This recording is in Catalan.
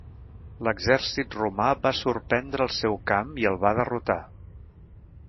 L'exèrcit romà va sorprendre el seu camp i el va derrotar.